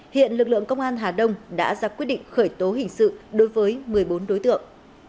hiện lực lượng công an hà đông đã ra quyết định khởi tố hình sự đối với một mươi bốn đối tượng